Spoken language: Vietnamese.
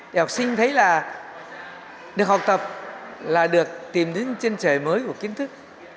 để học sinh thấy là được học tập là được tìm đến chân trời mới của kiến thức